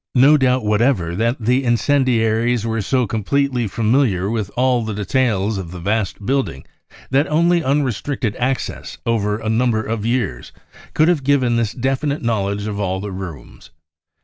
BROWN BOOK OF THE HITLER TERROR no doubt whatever that the incerfdiaries were so com pletely familiar with all details of the vast building that only unrestricted access over a number of years could have given this definite knowledge of all the rooms.